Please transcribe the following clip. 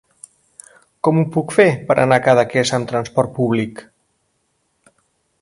Com ho puc fer per anar a Cadaqués amb trasport públic?